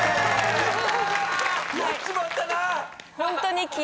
やっちまったな！